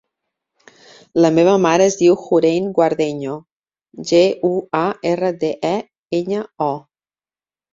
La meva mare es diu Hoorain Guardeño: ge, u, a, erra, de, e, enya, o.